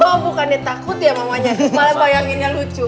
oh bukan nih takut ya mamanya malah bayanginnya lucu